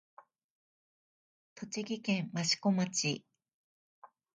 栃木県益子町